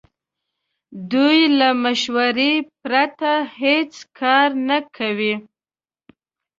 دوی له مشورې پرته هیڅ کار نه کوي.